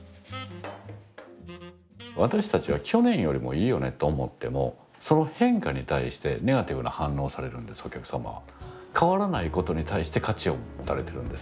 私たちは「去年よりもいいよね」と思ってもその変化に対してネガティブな反応をされるんですお客様は。